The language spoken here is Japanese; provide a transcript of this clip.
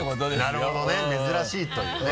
なるほどね珍しいというね。